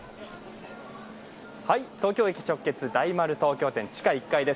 東京駅直結、大丸東京店地下１階です。